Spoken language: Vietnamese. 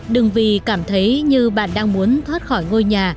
đừng vì cảm thấy như bạn đang muốn thoát khỏi ngôi nhà